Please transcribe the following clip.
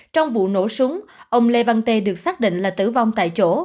trong vụ nổ súng ông lê văn tê được xác định là tử vong tại chỗ